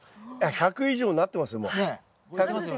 １００以上なってますよ